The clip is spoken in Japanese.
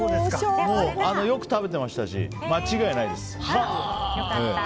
よく食べてましたし間違いないです。